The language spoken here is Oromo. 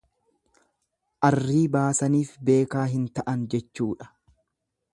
Arrii baasaniif beekaa hin ta'an jechuudha.